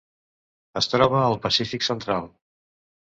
Es troba al Pacífic central.